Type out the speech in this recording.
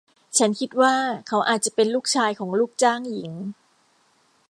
ฉันคิดว่าเขาอาจจะเป็นลูกชายของลูกจ้างหญิง